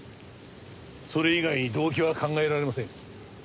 それ以外に動機は考えられません。